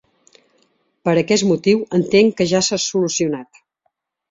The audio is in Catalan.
Per aquest motiu, entenc que ja s'ha solucionat.